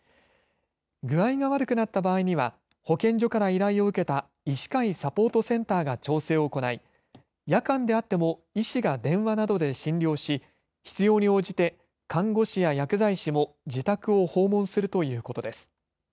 具合が悪くなった場合には保健所から依頼を受けた医師会サポートセンターが調整を行い、夜間であっても医師が電話などで診療し、必要に応じて看護師や薬剤師も自宅を訪問するということです。